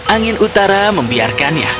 angin utara membiarkannya